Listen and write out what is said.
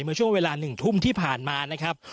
เมื่อช่วงเวลา๑ทุ่มที่ผ่านมานะครับ